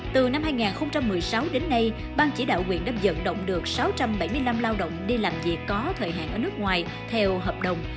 từ năm hai nghìn một mươi sáu đến nay ban chỉ đạo quyền đáp dận động được sáu trăm bảy mươi năm lao động đi làm việc có thời hạn ở nước ngoài theo hợp đồng